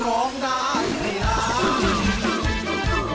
ร้องได้ให้ร้าน